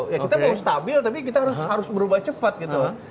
ya kita belum stabil tapi kita harus berubah cepat gitu